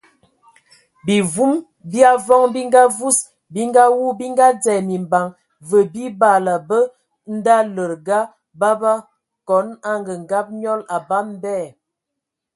Bimvum bi avɔŋ bi ngavus, bi ngawu, bi ngadzɛ mimbaŋ və bi baala bə ndaləga baba(kon angəngab nẏɔl, abam bɛ).